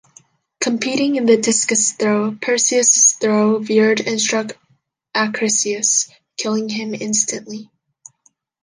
Competing in the discus throw Perseus' throw veered and struck Acrisius, killing him instantly.